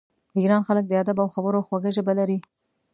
د ایران خلک د ادب او خبرو خوږه ژبه لري.